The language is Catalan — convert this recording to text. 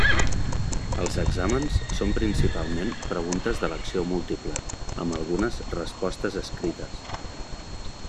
Els exàmens són principalment preguntes d'elecció múltiple, amb algunes respostes escrites.